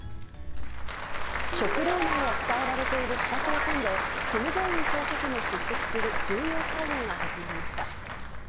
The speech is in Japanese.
食糧難が伝えられている北朝鮮で、キム・ジョンウン総書記も出席する重要会議が始まりました。